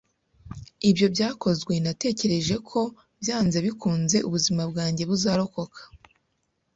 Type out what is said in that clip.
ibyo byakozwe natekereje ko byanze bikunze ubuzima bwanjye buzarokoka.